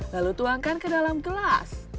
lalu tuangkan ke dalam gelas